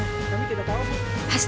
untuk apa dia ke sana